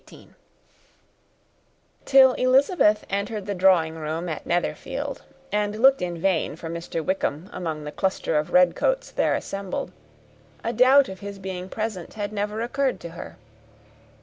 Till Elizabeth entered the drawing room at Netherfield, and looked in vain for Mr. Wickham among the cluster of red coats there assembled, a doubt of his being present had never occurred to her.